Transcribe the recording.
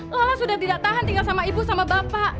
lola sudah tidak tahan tinggal sama ibu sama bapak